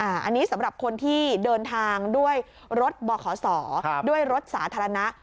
อันนี้สำหรับคนที่เดินทางด้วยรถบขศด้วยรถสาธารณะ